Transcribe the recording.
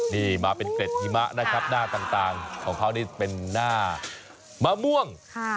นี่มาเป็นเกร็ดหิมะนะครับหน้าต่างของเขานี่เป็นหน้ามะม่วง